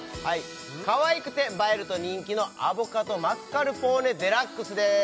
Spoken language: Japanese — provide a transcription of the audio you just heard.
かわいくて映えると人気のアボカドマスカルポーネＤＸです